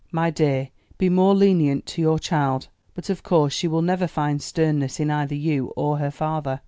My dear, be more lenient to your child. But of course she will never find sternness in either you or her father."